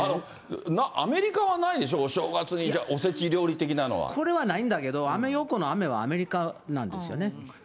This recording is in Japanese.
アメリカはないんでしょ、お正月におせこれはないんだけど、アメ横のアメはアメリカなんですよね。